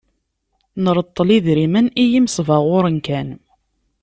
Nreṭṭel idrimen i yimesbaɣuren kan.